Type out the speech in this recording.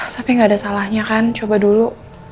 tapi gak ada salahnya kan coba dulu